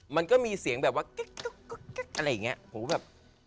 มันก็มีเสียงแบบว่าก๊ิ๊กก๊ิ๊กก๊ิ๊กอะไรอย่างนี้ผมก็แบบ